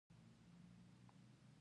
ته رښتونے باچا ئې